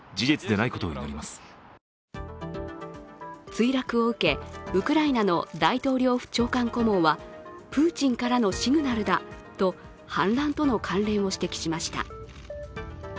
墜落を受け、ウクライナの大統領府長官顧問はプーチンからのシグナルだと反乱との関連を指摘しました。